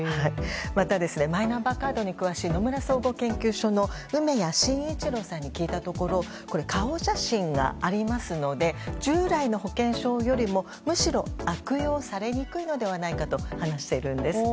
また、マイナンバーカードに詳しい、野村総合研究所の梅屋真一郎さんに聞いたところ顔写真がありますので従来の保険証よりもむしろ悪用されにくいのではないかと話しているんです。